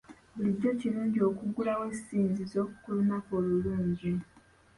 Bulijjo kirungi okuggulawo essinzizo ku lunaku olulungi.